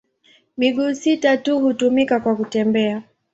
Miguu sita tu hutumika kwa kutembea.